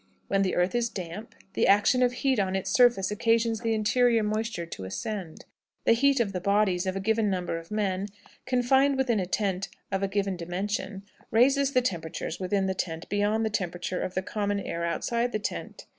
When the earth is damp, the action of heat on its surface occasions the interior moisture to ascend. The heat of the bodies of a given number of men, confined within a tent of a given dimension, raises the temperature within the tent beyond the temperature of the common air outside the tent.